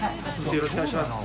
よろしくお願いします。